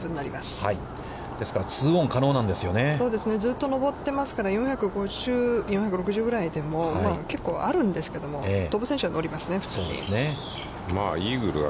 ずっと上ってますから、４６０ぐらいでも、結構あるんですけれども、飛ぶ選手は乗りますね、普通に。